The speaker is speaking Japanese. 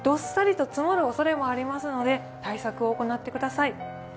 どっさりと積もるおそれもありますので、対策を行ってください。